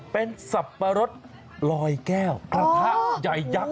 เป็นสับปะรสรอยแก้วประธานาที่ใหญ่นิ่ง